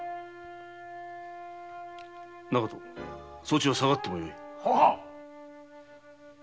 長門そちはさがってもよい。